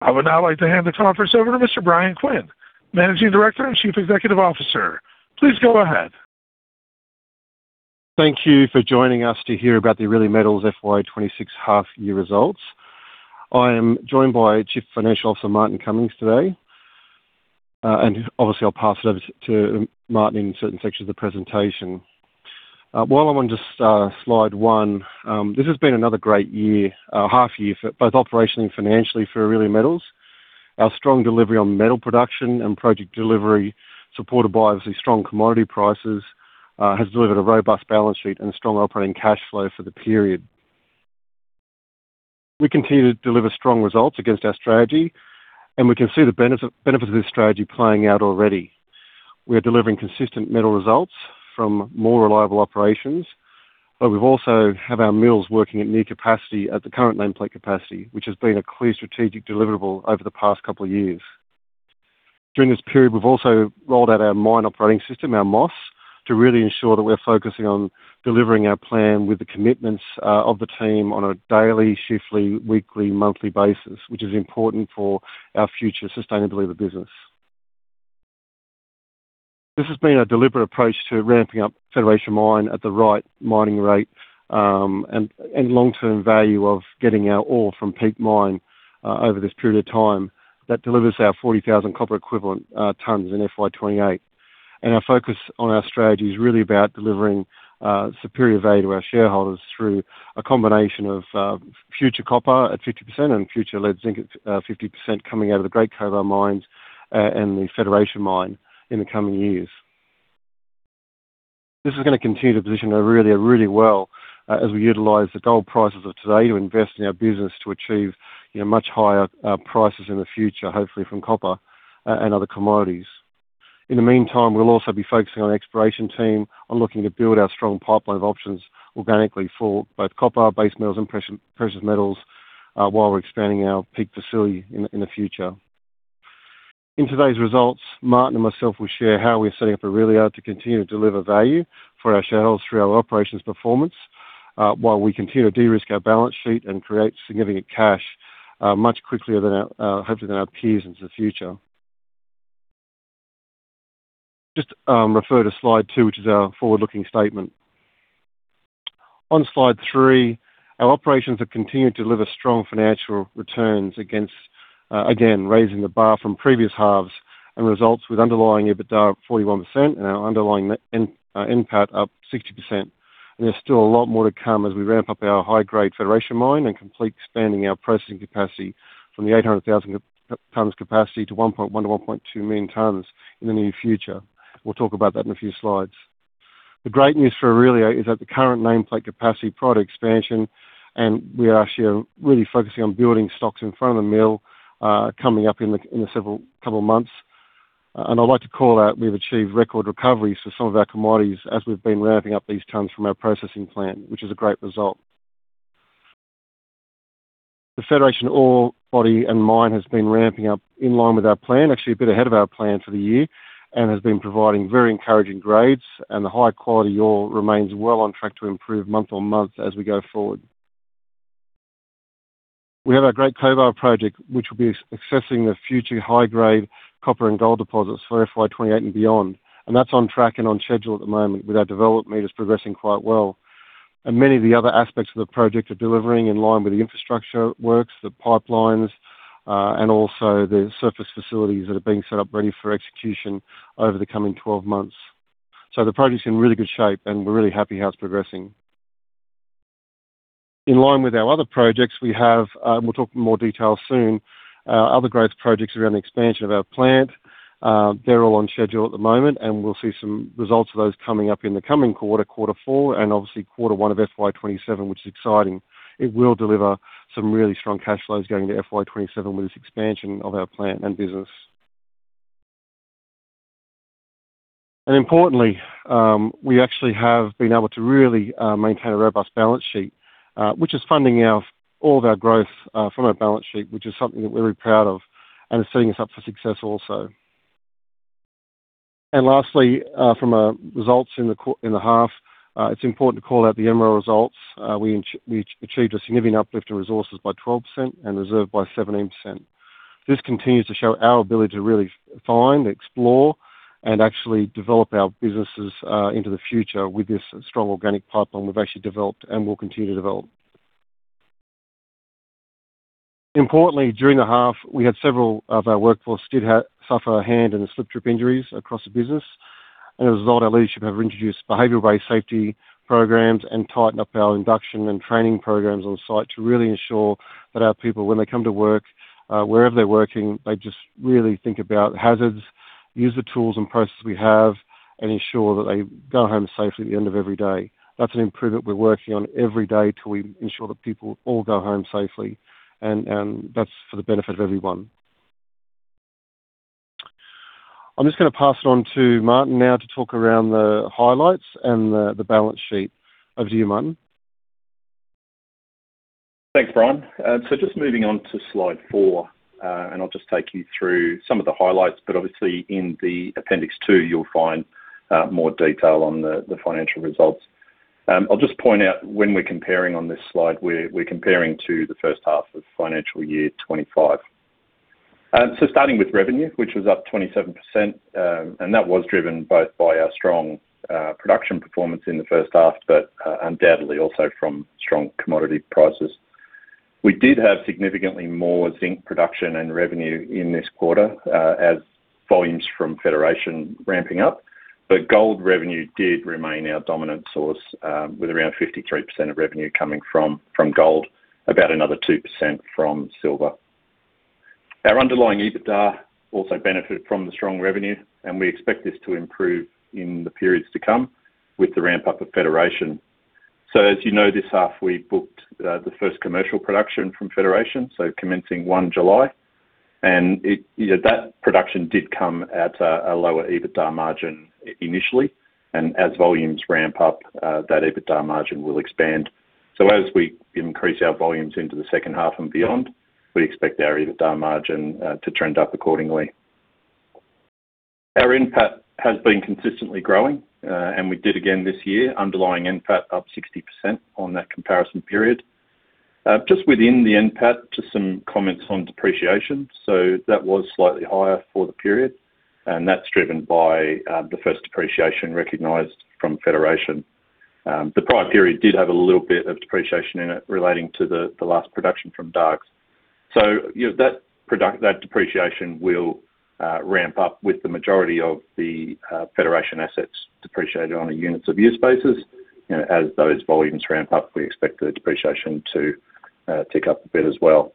I would now like to hand the conference over to Mr. Bryan Quinn, Managing Director and Chief Executive Officer. Please go ahead. Thank you for joining us to hear about the Aurelia Metals FY 2026 half-year results. I am joined by Chief Financial Officer, Martin Cummings, today. Obviously, I'll pass it over to Martin in certain sections of the presentation. While I'm on just slide one, this has been another great year, half year for both operationally and financially for Aurelia Metals. Our strong delivery on metal production and project delivery, supported by obviously strong commodity prices, has delivered a robust balance sheet and strong operating cash flow for the period. We continue to deliver strong results against our strategy. We can see the benefit of this strategy playing out already. We are delivering consistent metal results from more reliable operations, but we've also have our mills working at near capacity at the current nameplate capacity, which has been a clear strategic deliverable over the past couple of years. During this period, we've also rolled out our mine operating system, our MOS, to really ensure that we're focusing on delivering our plan with the commitments of the team on a daily, shiftly, weekly, monthly basis, which is important for our future sustainability of the business. This has been a deliberate approach to ramping up Federation Mine at the right mining rate, and long-term value of getting our ore from Peak Mine over this period of time. That delivers our 40,000 copper equivalent tons in FY 2028. Our focus on our strategy is really about delivering superior value to our shareholders through a combination of future copper at 50% and future lead zinc at 50% coming out of the Great Cobar mines and the Federation Mine in the coming years. This is gonna continue to position us really, really well as we utilize the gold prices of today to invest in our business to achieve, you know, much higher prices in the future, hopefully from copper and other commodities. In the meantime, we'll also be focusing on our exploration team on looking to build our strong pipeline of options organically for both copper, base metals, and precious metals while we're expanding our Peak facility in the future. In today's results, Martin and myself will share how we're setting up Aurelia to continue to deliver value for our shareholders through our operations performance, while we continue to de-risk our balance sheet and create significant cash, much quickly than our, hopefully, than our peers into the future. Just refer to slide two, which is our forward-looking statement. On slide three, our operations have continued to deliver strong financial returns against again, raising the bar from previous halves and results with underlying EBITDA of 41% and our underlying NPAT up 60%. There's still a lot more to come as we ramp up our high-grade Federation Mine and complete expanding our processing capacity from the 800,000 tonnes capacity to 1.1 million-1.2 million tonnes in the near future. We'll talk about that in a few slides. The great news for Aurelia is that the current nameplate capacity, product expansion, and we are actually really focusing on building stocks in front of the mill, coming up in the several couple of months. I'd like to call out, we've achieved record recoveries for some of our commodities as we've been ramping up these tonnes from our processing plant, which is a great result. The Federation ore body and mine has been ramping up in line with our plan, actually a bit ahead of our plan for the year, and has been providing very encouraging grades, and the high quality ore remains well on track to improve month-on-month as we go forward. We have our Great Cobar Project, which will be accessing the future high-grade copper and gold deposits for FY 2028 and beyond. That's on track and on schedule at the moment, with our development meters progressing quite well. Many of the other aspects of the project are delivering in line with the infrastructure works, the pipelines, and also the surface facilities that are being set up ready for execution over the coming 12 months. The project's in really good shape, and we're really happy how it's progressing. In line with our other projects, we have, we'll talk in more detail soon, other growth projects around the expansion of our plant. They're all on schedule at the moment, and we'll see some results of those coming up in the coming quarter four, and obviously quarter one of FY 2027, which is exciting. It will deliver some really strong cash flows going to FY 2027 with this expansion of our plant and business. Importantly, we actually have been able to really maintain a robust balance sheet, which is funding all of our growth from our balance sheet, which is something that we're very proud of and is setting us up for success also. Lastly, from our results in the half, it's important to call out the MRO results. We achieved a significant uplift in resources by 12% and reserved by 17%. This continues to show our ability to really find, explore, and actually develop our businesses into the future with this strong organic pipeline we've actually developed and will continue to develop. Importantly, during the half, we had several of our workforce suffer a hand in the slip trip injuries across the business, and as a result, our leadership have introduced behavioral-based safety programs and tightened up our induction and training programs on site to really ensure that our people, when they come to work, wherever they're working, they just really think about hazards, use the tools and processes we have, and ensure that they go home safely at the end of every day. That's an improvement we're working on every day till we ensure that people all go home safely, and that's for the benefit of everyone. I'm just gonna pass it on to Martin now to talk around the highlights and the balance sheet. Over to you, Martin. Thanks, Brian. Just moving on to slide four, I'll just take you through some of the highlights, but obviously, in the appendix two, you'll find more detail on the financial results. I'll just point out, when we're comparing on this slide, we're comparing to the first half of financial year 2025. Starting with revenue, which was up 27%, and that was driven both by our strong production performance in the first half, but undoubtedly also from strong commodity prices. We did have significantly more zinc production and revenue in this quarter, as volumes from Federation ramping up, but gold revenue did remain our dominant source, with around 53% of revenue coming from gold, about another 2% from silver. Our underlying EBITDA also benefited from the strong revenue, and we expect this to improve in the periods to come with the ramp-up of Federation. As you know, this half, we booked the first commercial production from Federation, commencing one July. That production did come at a lower EBITDA margin initially, and as volumes ramp up, that EBITDA margin will expand. As we increase our volumes into the second half and beyond, we expect our EBITDA margin to trend up accordingly. Our NPAT has been consistently growing, and we did again this year, underlying NPAT up 60% on that comparison period. Just within the NPAT, just some comments on depreciation. That was slightly higher for the period, and that's driven by the first depreciation recognized from Federation. The prior period did have a little bit of depreciation in it relating to the last production from Dargues. You know, that depreciation will ramp up with the majority of the Federation assets depreciated on a units of production basis. You know, as those volumes ramp up, we expect the depreciation to tick up a bit as well.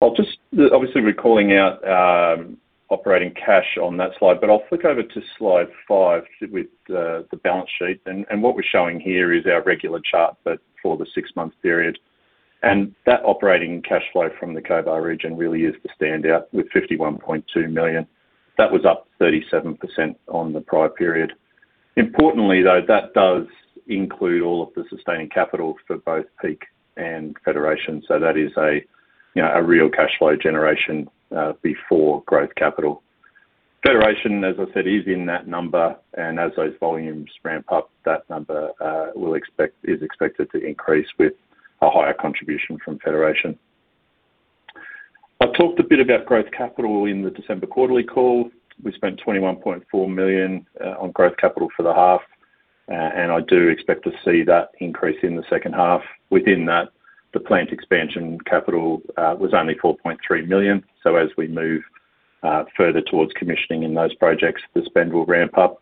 Obviously, we're calling out operating cash on that slide, but I'll flick over to slide five with the balance sheet. What we're showing here is our regular chart, but for the six-month period. That operating cash flow from the Cobar region really is the standout, with 51.2 million. That was up 37% on the prior period. Importantly, though, that does include all of the sustaining capital for both Peak and Federation, that is a, you know, a real cash flow generation before growth capital. Federation, as I said, is in that number, as those volumes ramp up, that number is expected to increase with a higher contribution from Federation. I talked a bit about growth capital in the December quarterly call. We spent 21.4 million on growth capital for the half, I do expect to see that increase in the second half. Within that, the plant expansion capital was only 4.3 million. As we move further towards commissioning in those projects, the spend will ramp up.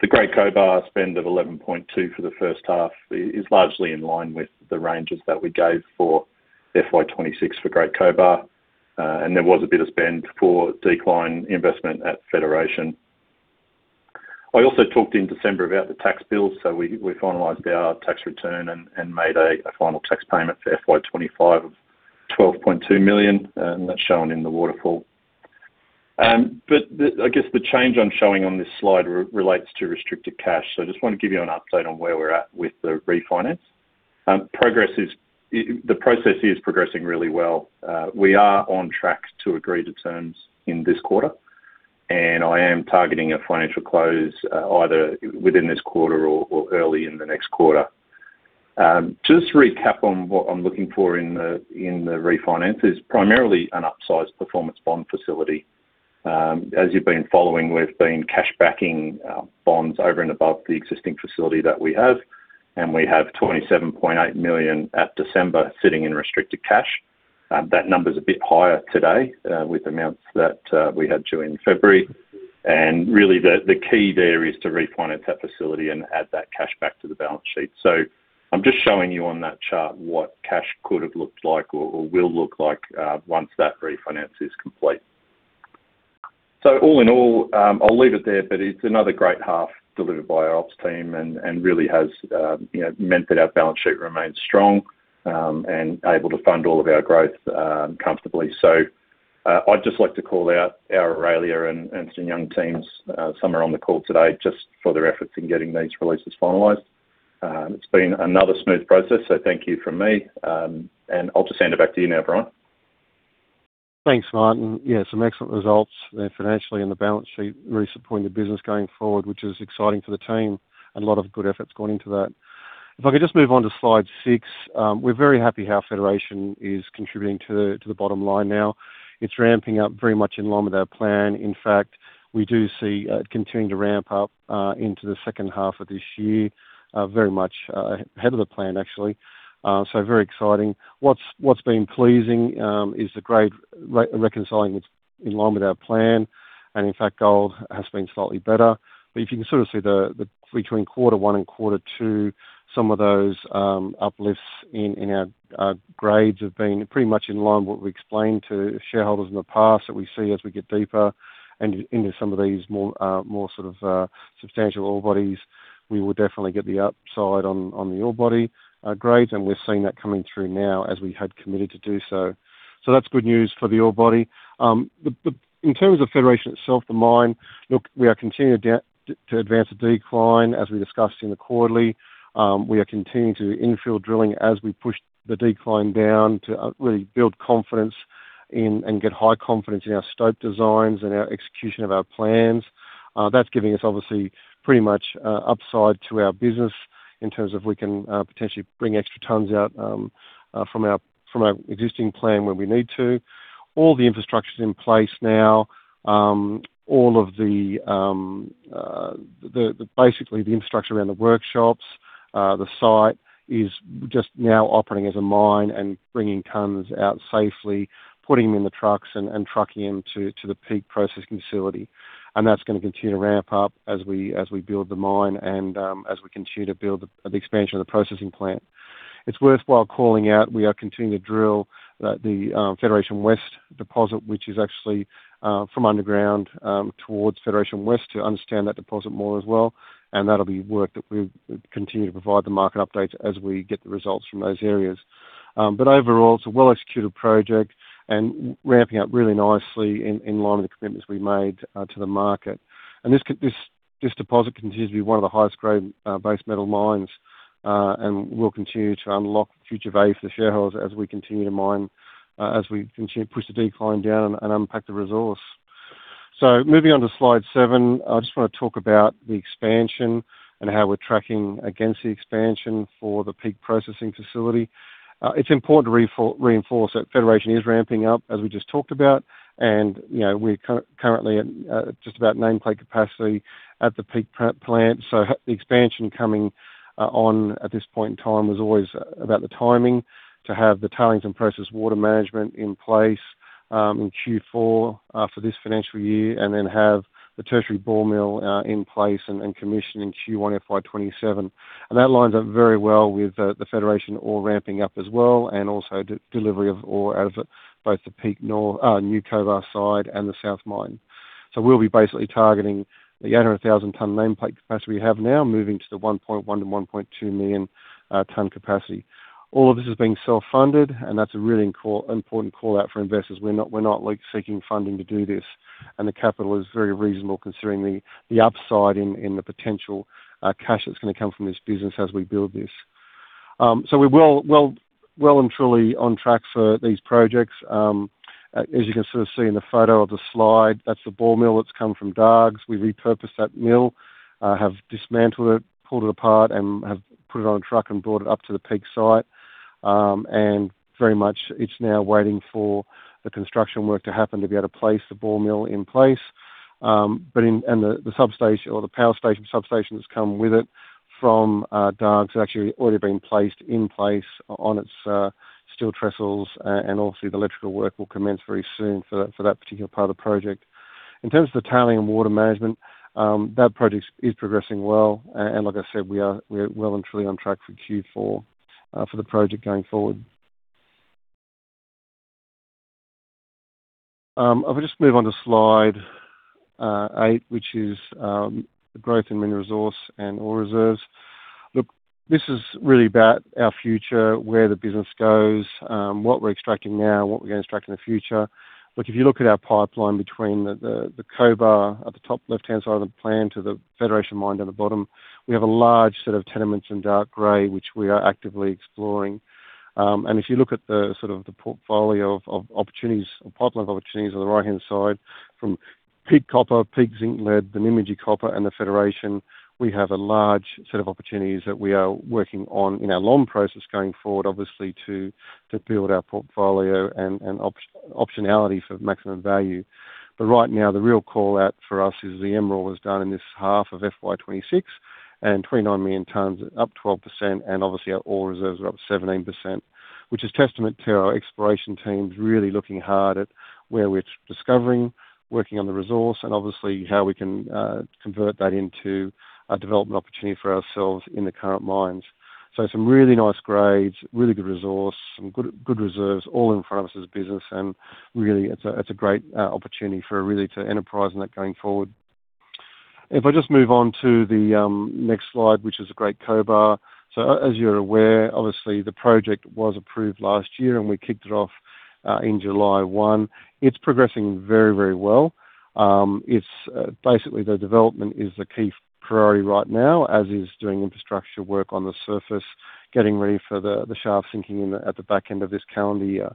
The Great Cobar spend of 11.2 for the first half is largely in line with the ranges that we gave for FY 2026 for Great Cobar, and there was a bit of spend for decline investment at Federation. I also talked in December about the tax bill, we finalized our tax return and made a final tax payment for FY 2025 of 12.2 million, and that's shown in the waterfall. I guess the change I'm showing on this slide relates to restricted cash. I just want to give you an update on where we're at with the refinance. The process is progressing really well. We are on track to agree to terms in this quarter, and I am targeting a financial close either within this quarter or early in the next quarter. Just to recap on what I'm looking for in the refinance is primarily an upsized performance bond facility. As you've been following, we've been cash backing bonds over and above the existing facility that we have, and we have 27.8 million at December sitting in restricted cash. That number is a bit higher today with amounts that we had due in February. Really, the key there is to refinance that facility and add that cash back to the balance sheet. I'm just showing you on that chart what cash could have looked like or will look like once that refinance is complete. All in all, I'll leave it there, but it's another great half delivered by our ops team and really has, you know, meant that our balance sheet remains strong, and able to fund all of our growth, comfortably. I'd just like to call out our Aurelia and Young teams, some are on the call today, just for their efforts in getting these releases finalized. It's been another smooth process, so thank you from me, and I'll just hand it back to you now, Bryan. Thanks, Martin. Some excellent results, financially in the balance sheet, really supporting the business going forward, which is exciting for the team, and a lot of good efforts going into that. If I could just move on to slide six, we're very happy how Federation is contributing to the, to the bottom line now. It's ramping up very much in line with our plan. In fact, we do see it continuing to ramp up into the second half of this year, very much ahead of the plan, actually. Very exciting. What's been pleasing is the great reconciling that's in line with our plan, and in fact, gold has been slightly better. If you can sort of see the between quarter one and quarter two, some of those uplifts in our grades have been pretty much in line with what we explained to shareholders in the past, that we see as we get deeper and into some of these more, more sort of substantial ore bodies, we will definitely get the upside on the ore body grades, and we're seeing that coming through now as we had committed to do so. That's good news for the ore body. In terms of Federation itself, the mine, look, we are continuing down to advance the decline, as we discussed in the quarterly. We are continuing to do infill drilling as we push the decline down to really build confidence- Get high confidence in our stope designs and our execution of our plans. That's giving us obviously pretty much upside to our business in terms of we can potentially bring extra tons out from our existing plan when we need to. All the infrastructure's in place now. All of the, basically, the infrastructure around the workshops, the site is just now operating as a mine and bringing tons out safely, putting them in the trucks, and trucking them to the Peak Processing Facility. That's gonna continue to ramp up as we build the mine and as we continue to build the expansion of the processing plant. It's worthwhile calling out, we are continuing to drill the Federation West Deposit, which is actually from underground towards Federation West, to understand that deposit more as well, and that'll be work that we'll continue to provide the market updates as we get the results from those areas. Overall, it's a well-executed project and ramping up really nicely in line with the commitments we made to the market. This deposit continues to be one of the highest grade base metal mines, and we'll continue to unlock future value for the shareholders as we continue to mine as we continue to push the decline down and unpack the resource. Moving on to slide seven, I just want to talk about the expansion and how we're tracking against the expansion for the Peak Processing Facility. It's important to reinforce that Federation is ramping up, as we just talked about, and, you know, we're currently at just about nameplate capacity at the Peak plant. The expansion coming on at this point in time was always about the timing to have the tailings and process water management in place in Q4 for this financial year, and then have the tertiary ball mill in place and commissioned in Q1 FY 2027. That lines up very well with the Federation ore ramping up as well, and also delivery of ore out of the, both the Peak New Cobar site and the South Mine. We'll be basically targeting the 800,000 ton nameplate capacity we have now, moving to the 1.1 million-1.2 million ton capacity. All of this is being self-funded, and that's a really important call-out for investors. We're not, like, seeking funding to do this, and the capital is very reasonable considering the upside in the potential cash that's gonna come from this business as we build this. We're well and truly on track for these projects. As you can sort of see in the photo of the slide, that's the ball mill that's come from Dargues. We repurposed that mill, have dismantled it, pulled it apart and have put it on a truck and brought it up to the Peak site. Very much, it's now waiting for the construction work to happen to be able to place the ball mill in place. The substation or the power station, substation that's come with it from Dargues, has actually already been placed in place on its steel trestles. Obviously, the electrical work will commence very soon for that particular part of the project. In terms of the tailing and water management, that project is progressing well, and like I said, we are, we're well and truly on track for Q4 for the project going forward. If I just move on to slide 8, which is the growth in mineral resource and ore reserves. Look, this is really about our future, where the business goes, what we're extracting now, and what we're gonna extract in the future. Look, if you look at our pipeline between the Cobar at the top left-hand side of the plan to the Federation Mine down the bottom, we have a large set of tenements in dark gray, which we are actively exploring. If you look at the sort of the portfolio of opportunities, or pipeline of opportunities on the right-hand side, from Peak Copper, Peak Zinc Lead, the Nymagee Copper, and the Federation, we have a large set of opportunities that we are working on in our long-term process going forward, obviously, to build our portfolio and optionality for maximum value. Right now, the real call-out for us is the M&OR was done in this half of FY 2026, 29 million tonnes, up 12%, obviously our ore reserves are up 17%, which is a testament to our exploration teams really looking hard at where we're discovering, working on the resource, and obviously, how we can convert that into a development opportunity for ourselves in the current mines. Some really nice grades, really good resource, some good reserves, all in front of us as a business, and really, it's a great opportunity for Aurelia to enterprise on that going forward. If I just move on to the next slide, which is Great Cobar Project. As you're aware, obviously, the project was approved last year, and we kicked it off in July 1. It's progressing very well. It's basically, the development is the key priority right now, as is doing infrastructure work on the surface, getting ready for the shaft sinking at the back end of this calendar year.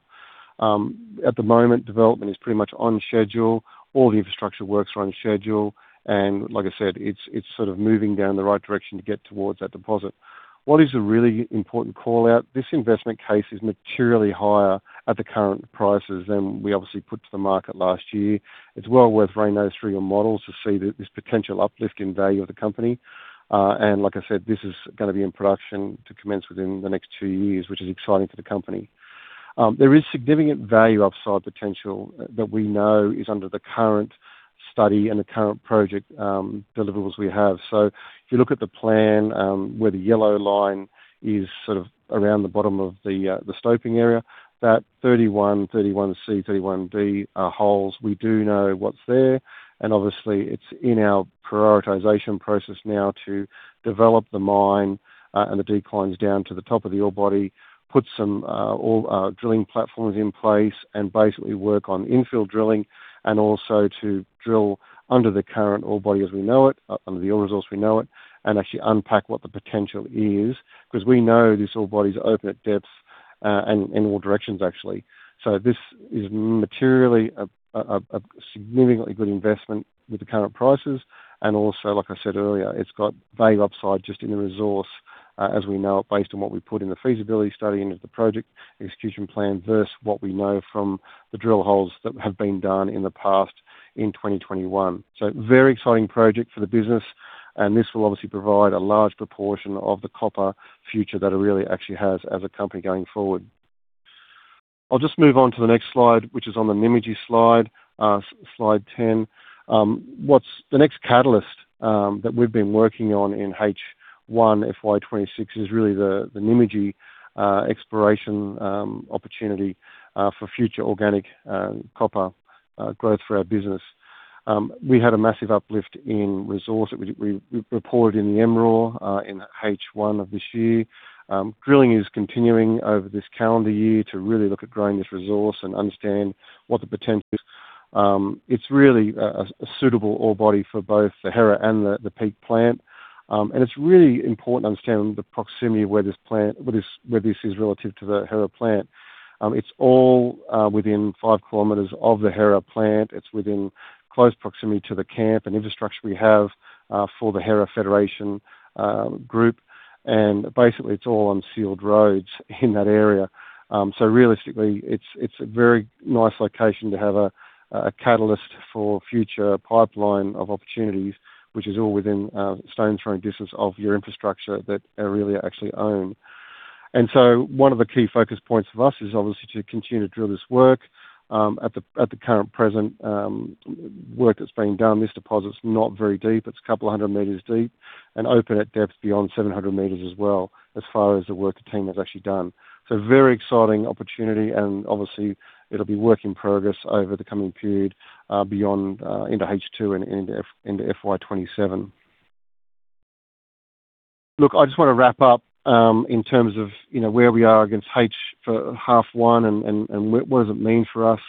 At the moment, development is pretty much on schedule. All the infrastructure works are on schedule, like I said, it's sort of moving down the right direction to get towards that deposit. What is a really important call-out? This investment case is materially higher at the current prices than we obviously put to the market last year. It's well worth running those through your models to see this potential uplift in value of the company. Like I said, this is gonna be in production to commence within the next two years, which is exciting for the company. There is significant value upside potential that we know is under the current study and the current project deliverables we have. If you look at the plan, where the yellow line is sort of around the bottom of the stoping area, that 31, 31C, 31B holes, we do know what's there, and obviously, it's in our prioritization process now to develop the mine and the declines down to the top of the ore body, put some drilling platforms in place, and basically work on infill drilling, and also to drill under the current ore body as we know it, under the ore resource we know it, and actually unpack what the potential is. We know this ore body's open at depths and in all directions, actually. This is materially a significantly good investment with the current prices. Also, like I said earlier, it's got value upside just in the resource, as we know it, based on what we put in the feasibility study and of the project execution plan, versus what we know from the drill holes that have been done in the past in 2021. Very exciting project for the business, and this will obviously provide a large proportion of the copper future that it really actually has as a company going forward. I'll just move on to the next slide, which is on the Nymagee slide 10. What's the next catalyst that we've been working on in H1 FY 2026 is really the Nymagee exploration opportunity for future organic copper growth for our business. We had a massive uplift in resource that we reported in the MRO in H1 of this year. Drilling is continuing over this calendar year to really look at growing this resource and understand what the potential is. It's really a suitable ore body for both the Hera and the Peak plant. It's really important to understand the proximity of where this is relative to the Hera plant. It's all within 5 km of the Hera plant. It's within close proximity to the camp and infrastructure we have for the Hera Federation group. Basically, it's all on sealed roads in that area. Realistically, it's a very nice location to have a catalyst for future pipeline of opportunities, which is all within stone's throwing distance of your infrastructure that Aurelia Metals actually own. One of the key focus points of us is obviously to continue to drill this work, at the current present, work that's being done. This deposit's not very deep. It's a couple of 100 m deep and open at depths beyond 700 m as well, as far as the work the team has actually done. Very exciting opportunity, and obviously, it'll be work in progress over the coming period, beyond into H2 and into FY 2027. Look, I just want to wrap up, in terms of, you know, where we are against H for half one and what does it mean for us.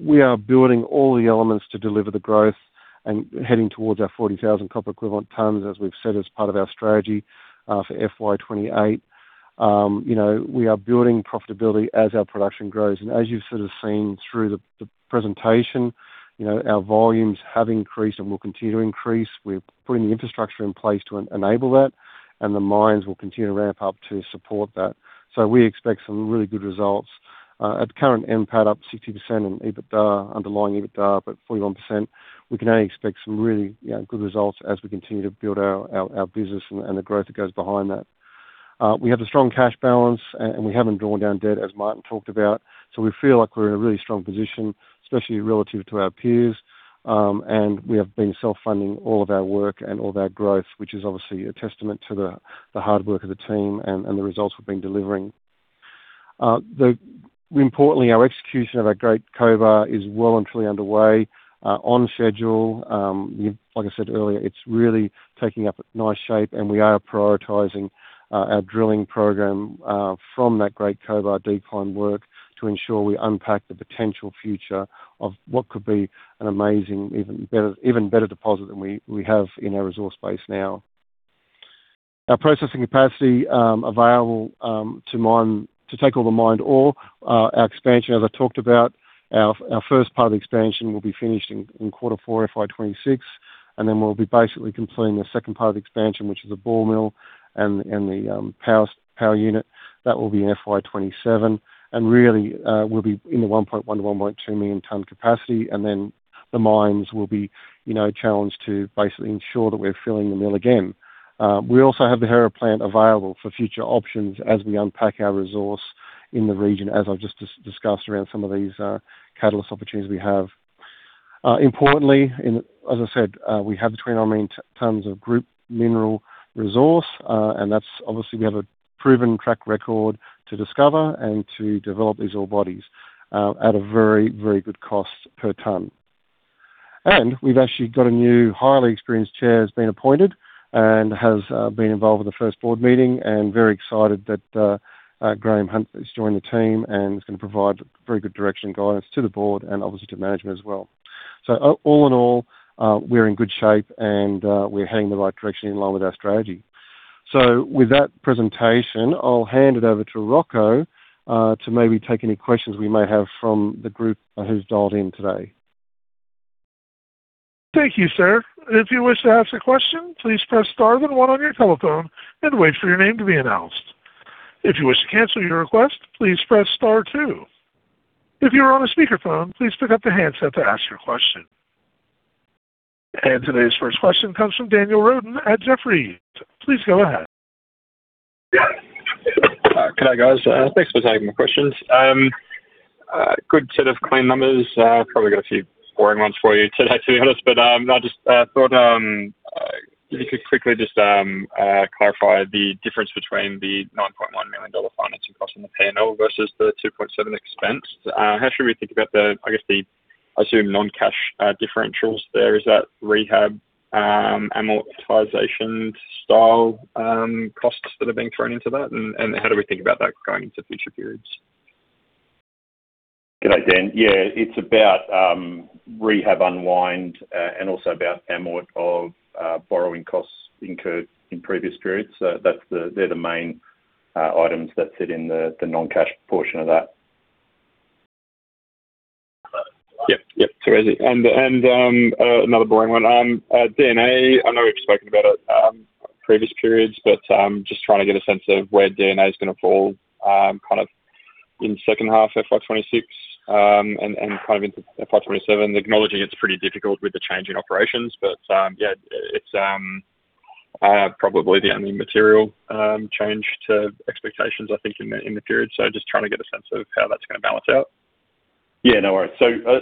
We are building all the elements to deliver the growth and heading towards our 40,000 copper equivalent tons, as we've said, as part of our strategy, for FY 2028. You know, we are building profitability as our production grows. As you've sort of seen through the presentation, you know, our volumes have increased and will continue to increase. We're putting the infrastructure in place to enable that, and the mines will continue to ramp up to support that. We expect some really good results, at the current NPAT, up 60%, and EBITDA, underlying EBITDA, up 41%. We can only expect some really, you know, good results as we continue to build our business and the growth that goes behind that. We have a strong cash balance, and we haven't drawn down debt, as Martin talked about, so we feel like we're in a really strong position, especially relative to our peers. We have been self-funding all of our work and all of our growth, which is obviously a testament to the hard work of the team and the results we've been delivering. Importantly, our execution of our Great Cobar is well and truly underway, on schedule. Like I said earlier, it's really taking up a nice shape. We are prioritizing our drilling program from that Great Cobar decline work to ensure we unpack the potential future of what could be an amazing, even better deposit than we have in our resource base now. Our processing capacity available to take all the mined ore, our expansion, as I talked about, our first part of the expansion will be finished in Q4 FY 2026. Then we'll be basically completing the second part of the expansion, which is a ball mill and the power unit. That will be in FY 2027. Really, we'll be in the 1.1 million-1.2 million ton capacity, and then the mines will be, you know, challenged to basically ensure that we're filling the mill again. We also have the Hera plant available for future options as we unpack our resource in the region, as I've just discussed around some of these catalyst opportunities we have. Importantly, and as I said, we have between our mine tons of group mineral resource, and that's obviously, we have a proven track record to discover and to develop these ore bodies, at a very, very good cost per ton. We've actually got a new, highly experienced chair, has been appointed and has been involved with the first board meeting, and very excited that Graeme Hunt has joined the team and is going to provide very good direction and guidance to the board and obviously to management as well. All in all, we're in good shape, and we're heading in the right direction in line with our strategy. With that presentation, I'll hand it over to Rocco to maybe take any questions we may have from the group who's dialed in today. Thank you, sir. If you wish to ask a question, please press star then one on your telephone and wait for your name to be announced. If you wish to cancel your request, please press star two. If you are on a speakerphone, please pick up the handset to ask your question. Today's first question comes from Daniel Roden at Jefferies. Please go ahead. Good day, guys. Thanks for taking my questions. A good set of clean numbers. Probably got a few boring ones for you today, to be honest, I just thought you could quickly just clarify the difference between the 9.1 million dollar financing cost in the P&L versus the 2.7 expense. How should we think about the, I guess, the, I assume, non-cash, differentials there? Is that rehab, amortization style, costs that are being thrown into that, how do we think about that going into future periods? Hey, Dan. Yeah, it's about rehab unwind, and also about amort of borrowing costs incurred in previous periods. They're the main items that sit in the non-cash portion of that. Yep. Yep, too easy. D&A, I know we've spoken about it, previous periods, but just trying to get a sense of where D&A is gonna fall, kind of in second half FY 2026, and kind of into FY 2027, acknowledging it's pretty difficult with the change in operations, but yeah, it's probably the only material change to expectations, I think, in the period. Just trying to get a sense of how that's gonna balance out. Yeah, no worries.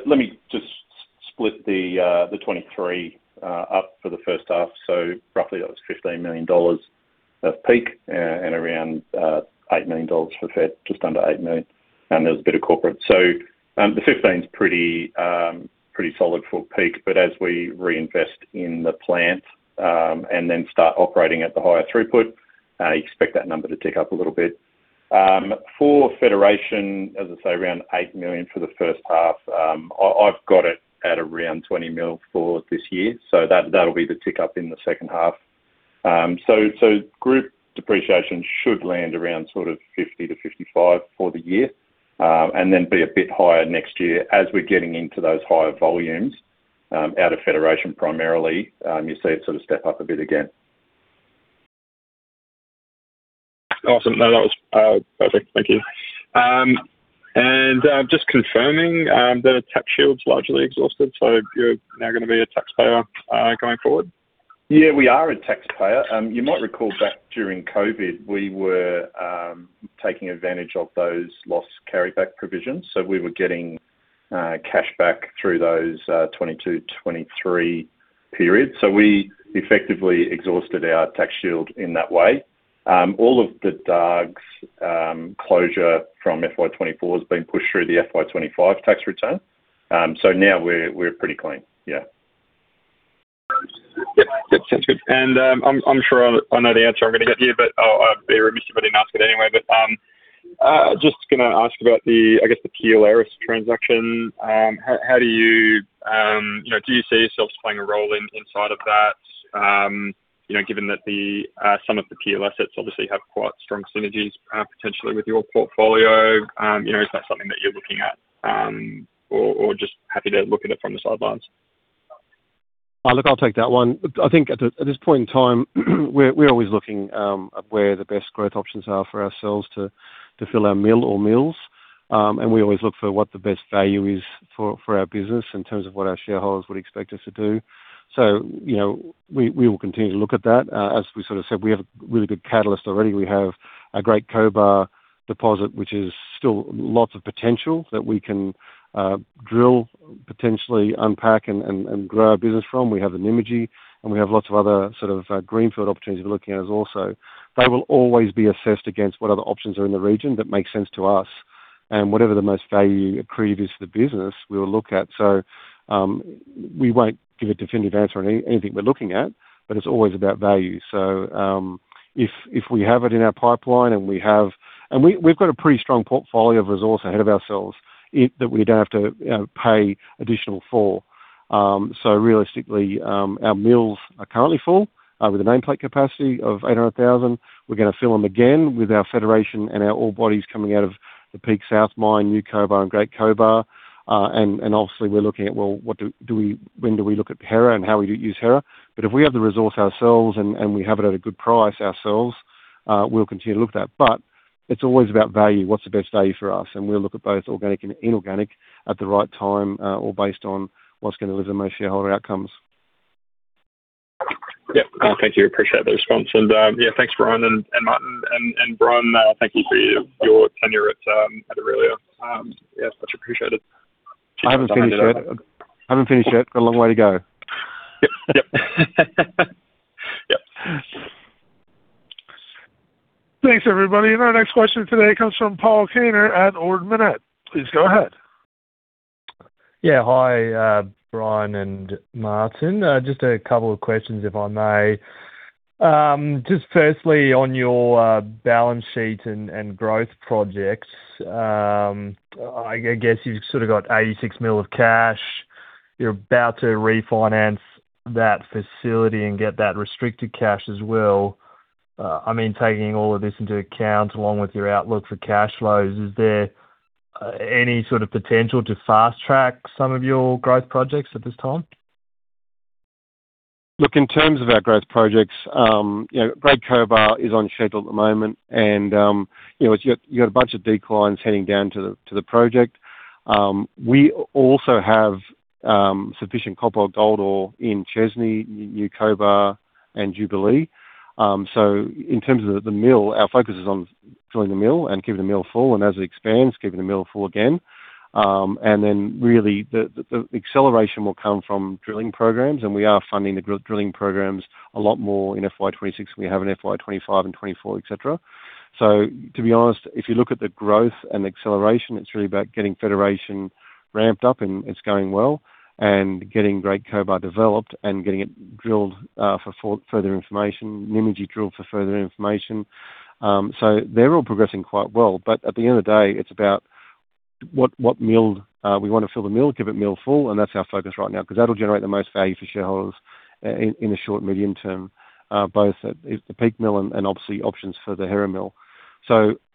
Let me just split the 23 up for the first half. Roughly, that was 15 million dollars of Peak and around 8 million dollars for Federation, just under 8 million, and there was a bit of corporate. The 15 million is pretty solid for Peak, but as we reinvest in the plant, and then start operating at the higher throughput, you expect that number to tick up a little bit. For Federation, as I say, around 8 million for the first half, I've got it at around 20 million for this year, that'll be the tick up in the second half. Group depreciation should land around sort of 50 to 55 for the year, and then be a bit higher next year as we're getting into those higher volumes out of Federation, primarily, you see it sort of step up a bit again. Awesome. No, that was perfect. Thank you. Just confirming that a tax shield's largely exhausted, so you're now gonna be a taxpayer going forward? Yeah, we are a taxpayer. You might recall back during COVID, we were taking advantage of those loss carryback provisions, so we were getting cash back through those 2022, 2023 periods. We effectively exhausted our tax shield in that way. All of the Dargues closure from FY 2024 has been pushed through the FY 2025 tax return. Now we're pretty clean. Yeah. Yep. Yep, sounds good. I'm sure I know the answer I'm gonna get here, but I'd be remiss if I didn't ask it anyway, just gonna ask about the, I guess, the Peel Mining transaction. How do you know, do you see yourselves playing a role inside of that, you know, given that the some of the Peel assets obviously have quite strong synergies, potentially with your portfolio, you know, is that something that you're looking at, or just happy to look at it from the sidelines? Look, I'll take that one. I think at this point in time, we're always looking at where the best growth options are for ourselves to fill our mill or mills. We always look for what the best value is for our business in terms of what our shareholders would expect us to do. You know, we will continue to look at that. As we sort of said, we have a really good catalyst already. We have a Great Cobar deposit, which is still lots of potential that we can drill, potentially unpack and grow our business from. We have the Nymagee, we have lots of other sort of greenfield opportunities we're looking at as also. They will always be assessed against what other options are in the region that make sense to us. Whatever the most value accretive is to the business, we will look at. We won't give a definitive answer on anything we're looking at, but it's always about value. If we have it in our pipeline and we've got a pretty strong portfolio of resource ahead of ourselves it, that we don't have to pay additional for. Realistically, our mills are currently full with a nameplate capacity of 800,000. We're gonna fill them again with our federation and our ore bodies coming out of the Peak South mine, New Cobar, and Great Cobar. Obviously, we're looking at, well, what do we, when do we look at Hera and how we use Hera? If we have the resource ourselves and we have it at a good price ourselves, we'll continue to look at that. It's always about value, what's the best value for us, and we'll look at both organic and inorganic at the right time, or based on what's gonna deliver the most shareholder outcomes. Yep. Thank you. Appreciate the response. Yeah, thanks, Bryan, and Martin, and Bryan, thank you for your tenure at Aurelia. Yeah, much appreciated. I haven't finished yet. Got a long way to go. Yep. Yep. Yep. Thanks, everybody. Our next question today comes from Paul Kaner at Ord Minnett. Please go ahead. Yeah, hi, Bryan and Martin. Just a couple of questions, if I may. Just firstly, on your balance sheet and growth projects, I guess you've sort of got 86 million of cash. You're about to refinance that facility and get that restricted cash as well. I mean, taking all of this into account, along with your outlook for cash flows, is there any sort of potential to fast-track some of your growth projects at this time? Look, in terms of our growth projects, you know, Great Cobar is on schedule at the moment, you know, you got a bunch of declines heading down to the project. We also have sufficient copper gold ore in Chesney, New Cobar, and Jubilee. In terms of the mill, our focus is on filling the mill and keeping the mill full, and as it expands, keeping the mill full again. Then really, the acceleration will come from drilling programs, and we are funding the drilling programs a lot more in FY 2026 than we have in FY 2025 and 2024, et cetera. To be honest, if you look at the growth and acceleration, it's really about getting federation ramped up, and it's going well, and getting Great Cobar developed and getting it drilled for further information, Nymagee drilled for further information. So they're all progressing quite well, but at the end of the day, it's about what mill we wanna fill the mill, keep it mill full, and that's our focus right now, 'cause that'll generate the most value for shareholders in the short, medium term, both at the Peak mill and obviously, options for the Hera mill.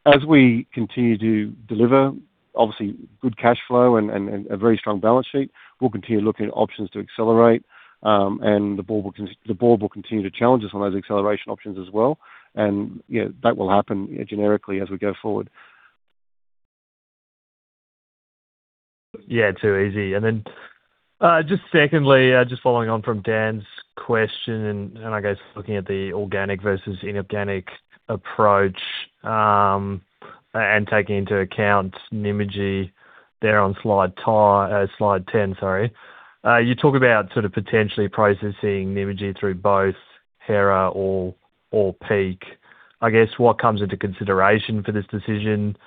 As we continue to deliver, obviously, good cash flow and a very strong balance sheet, we'll continue looking at options to accelerate, and the board will continue to challenge us on those acceleration options as well. You know, that will happen, generically, as we go forward. Yeah, too easy. Just secondly, just following on from Dan's question, and I guess looking at the organic versus inorganic approach, and taking into account Nymagee there on slide 10, sorry. You talk about sort of potentially processing Nymagee through both Hera or Peak. I guess, what comes into consideration for this decision?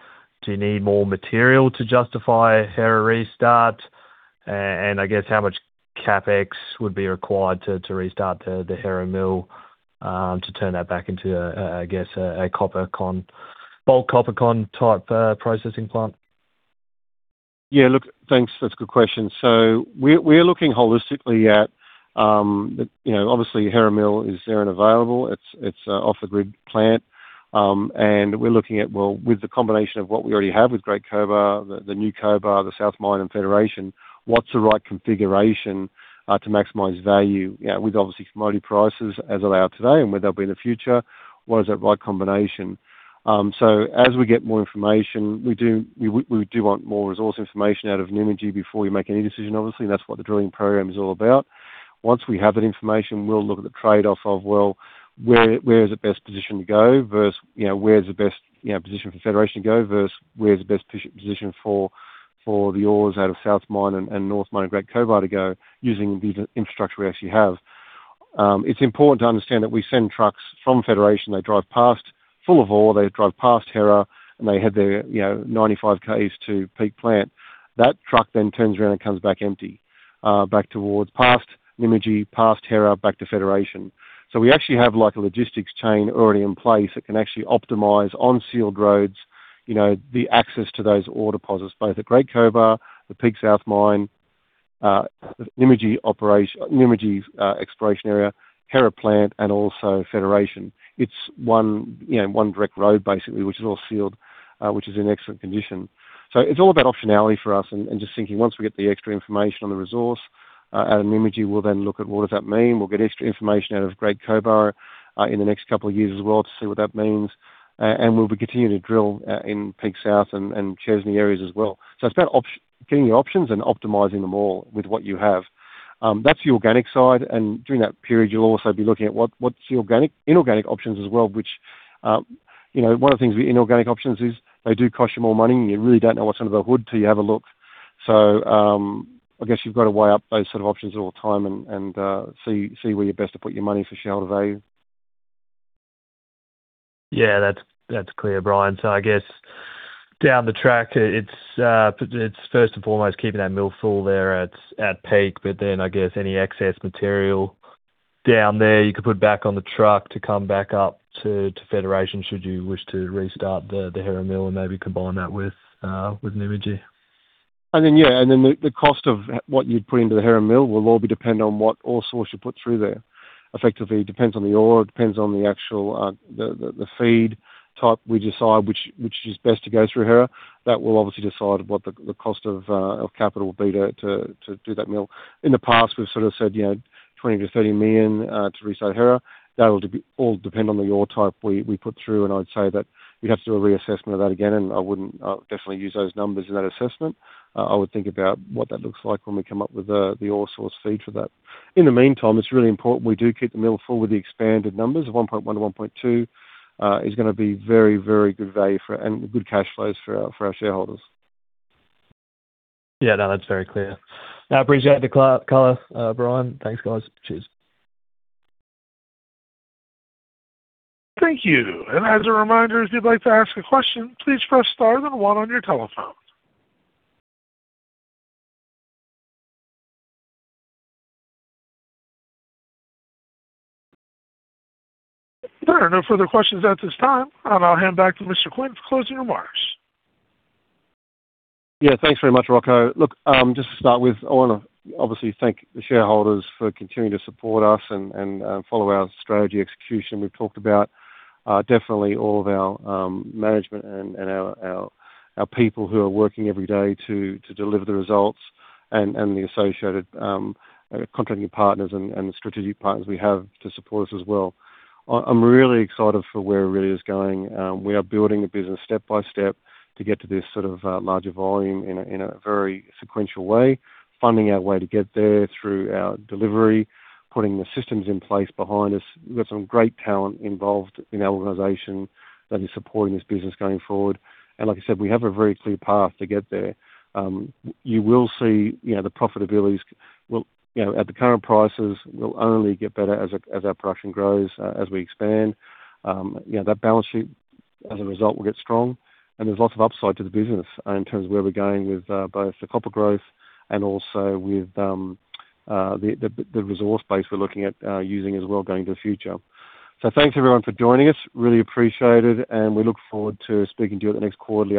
Do you need more material to justify a Hera restart? I guess how much CapEx would be required to restart the Hera mill, to turn that back into a, I guess, a copper con... bulk copper concentrate-type, processing plant? Look, thanks. That's a good question. We are looking holistically at, you know, obviously, Hera mill is there and available. It's off-the-grid plant. And we're looking at, well, with the combination of what we already have with Great Cobar, the New Cobar, the South Mine, and Federation, what's the right configuration to maximize value? You know, with obviously commodity prices as allowed today and where they'll be in the future, what is that right combination? As we get more information, we do want more resource information out of Nymagee before we make any decision, obviously, and that's what the drilling program is all about. Once we have that information, we'll look at the trade-off of, well, where is the best position to go versus, you know, where's the best, you know, position for Federation to go versus where's the best position for the ores out of South Mine and North Mine and Great Cobar to go using the infrastructure we actually have. It's important to understand that we send trucks from Federation, they drive past, full of ore, they drive past Hera, they have their, you know, 95 Ks to Peak plant. That truck turns around and comes back empty, back towards past Nymagee, past Hera, back to Federation. We actually have, like, a logistics chain already in place that can actually optimize on sealed roads, you know, the access to those ore deposits, both at Great Cobar, the Peak South mine, Nymagee's exploration area, Hera plant, and also Federation. It's one direct road, basically, which is all sealed, which is in excellent condition. It's all about optionality for us and just thinking, once we get the extra information on the resource at Nymagee, we'll then look at what does that mean. We'll get extra information out of Great Cobar in the next couple of years as well to see what that means. We'll be continuing to drill in Peak South and Chesney areas as well. It's about getting the options and optimizing them all with what you have. That's the organic side, during that period, you'll also be looking at what's the inorganic options as well, which, you know, one of the things with inorganic options is they do cost you more money, and you really don't know what's under the hood till you have a look. I guess you've got to weigh up those sort of options all the time and see where you're best to put your money for shareholder value. That's, that's clear, Bryan. I guess down the track, it's first and foremost, keeping that mill full there at Peak, but then I guess any excess material down there, you could put back on the truck to come back up to Federation should you wish to restart the Hera Mill and maybe combine that with Nymagee. Yeah, then the cost of what you'd put into the Hera Mill will all be dependent on what ore source you put through there. Effectively, it depends on the ore, it depends on the actual, the feed type we decide, which is best to go through Hera. That will obviously decide what the cost of capital will be to do that mill. In the past, we've sort of said, you know, 20 million-30 million to restart Hera. That will all depend on the ore type we put through, and I'd say that we'd have to do a reassessment of that again, and I wouldn't definitely use those numbers in that assessment. I would think about what that looks like when we come up with the ore source feed for that. In the meantime, it's really important we do keep the mill full with the expanded numbers of 1.1 to 1.2, is gonna be very, very good value and good cash flows for our shareholders. Yeah, no, that's very clear. I appreciate the color, Bryan. Thanks, guys. Cheers. Thank you. As a reminder, if you'd like to ask a question, please press star then one on your telephone. There are no further questions at this time. I'll now hand back to Mr. Quinn for closing remarks. Thanks very much, Rocco. Just to start with, I wanna obviously thank the shareholders for continuing to support us and follow our strategy execution. We've talked about definitely all of our management and our people who are working every day to deliver the results and the associated contracting partners and strategic partners we have to support us as well. I'm really excited for where it really is going. We are building a business step-by-step to get to this sort of larger volume in a very sequential way, finding our way to get there through our delivery, putting the systems in place behind us. We've got some great talent involved in our organization that is supporting this business going forward. Like I said, we have a very clear path to get there. You will see, you know, the profitability will, you know, at the current prices, will only get better as our production grows as we expand. You know, that balance sheet, as a result, will get strong, and there's lots of upside to the business in terms of where we're going with both the copper growth and also with the resource base we're looking at using as well, going to the future. Thanks, everyone, for joining us. Really appreciate it, and we look forward to speaking to you at the next quarterly.